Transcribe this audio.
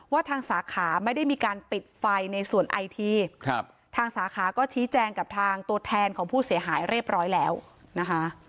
ทางสาขาไม่ได้มีการปิดไฟในส่วนไอทีทางสาขาก็ชี้แจงกับทางตัวแทนของผู้เสียหายเรียบร้อยแล้วนะคะ